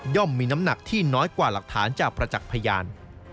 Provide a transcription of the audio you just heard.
มีน้ำหนักที่น้อยกว่าหลักฐานจากประจักษ์พยาน